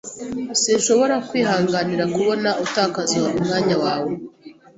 Sinshobora kwihanganira kubona utakaza umwanya wawe.